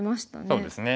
そうですね。